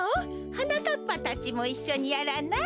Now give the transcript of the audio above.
はなかっぱたちもいっしょにやらない？